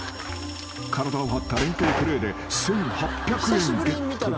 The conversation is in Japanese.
［体を張った連携プレーで１，８００円ゲット］